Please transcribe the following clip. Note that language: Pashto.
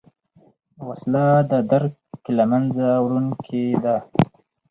وسله د درک له منځه وړونکې ده